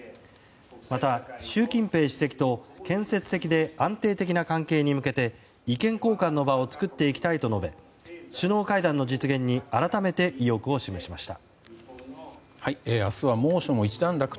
また、習近平主席と建設的で安定的な関係に向けて意見交換の場を作っていきたいと述べ首脳会談の実現に改めて意欲を示しました。